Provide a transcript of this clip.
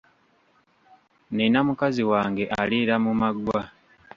Nina mukazi wange aliira mu maggwa